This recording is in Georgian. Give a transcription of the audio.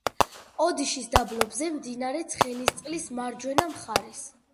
ოდიშის დაბლობზე, მდინარე ცხენისწყლის მარჯვენა მხარეს.